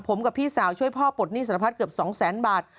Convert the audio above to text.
ผมกับพี่สาวช่วยพ่อปลดหนี้สัตว์พัฒน์เกือบ๒๐๐๐๐๐บาท